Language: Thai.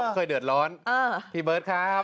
เนี่ยเคยเดือดร้อนพี่เบิร์ดครับ